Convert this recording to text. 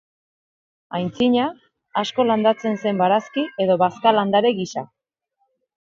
Antzina, asko landatzen zen barazki edo bazka landare gisa.